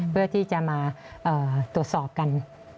เพื่อที่จะมาตรวจสอบกัน